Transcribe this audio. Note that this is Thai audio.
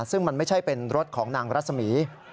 ซึ่งมันไม่ใช่เป็นรถของนางรัศมี